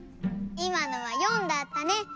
いまのは４だったね。